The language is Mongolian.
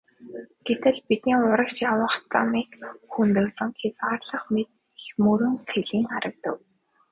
Гэтэл бидний урагш явах замыг хөндөлсөн хязгаарлах мэт их мөрөн цэлийн харагдав.